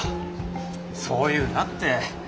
そう言うなって！